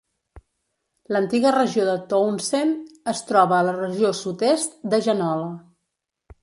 L'antiga regió de Townsend es troba a la regió sud-est de Genola.